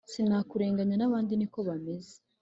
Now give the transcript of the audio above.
Sinakurenganya nabandi niko bameze